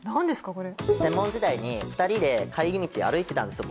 これ専門時代に２人で帰り道歩いてたんですよ